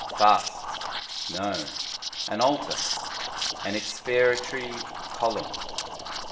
Fasts? No. An altar? an expiatory column